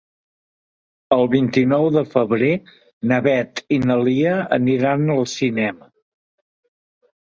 El vint-i-nou de febrer na Beth i na Lia aniran al cinema.